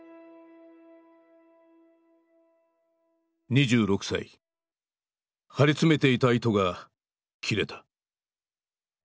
２６歳張り詰めていた糸が切れた。